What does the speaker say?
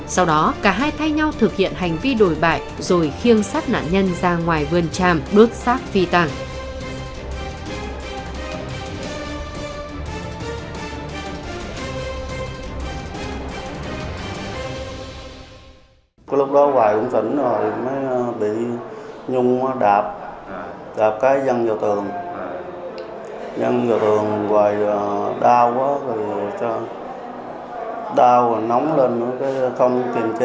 sau đó cả hai thay nhau thực hiện hành vi đổi bại rồi khiêng sát nạn nhân ra ngoài vườn tràm đốt sát phi tàng